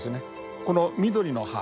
この緑の葉